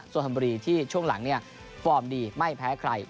ส่วนธนบุรีที่ช่วงหลังเนี่ยฟอร์มดีไม่แพ้ใคร